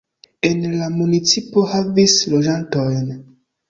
En la municipo havis loĝantojn.